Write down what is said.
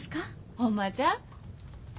ほんまじゃ。